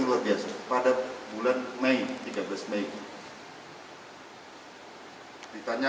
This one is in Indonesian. setelah masuk ke dalam rumah bau busuk semakin tajam